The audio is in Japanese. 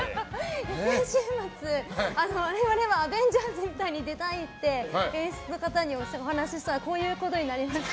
先週末、我々はアベンジャーズみたいに出たいって演出の方にお話ししたらこういうことになりました。